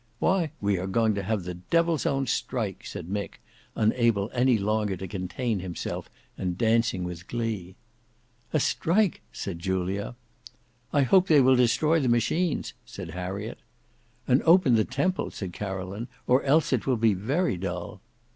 "Why we are going to have the devil's own strike," said Mick unable any longer to contain himself and dancing with glee. "A strike!" said Julia. "I hope they will destroy the machines," said Harriet. "And open the Temple," said Caroline, "or else it will be very dull."